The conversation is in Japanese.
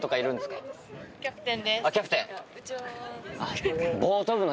あっキャプテン。